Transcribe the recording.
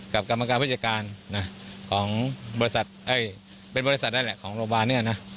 กับกรรมการพจการเป็นบริษัทได้แหละของงบาลเนี่ยนะ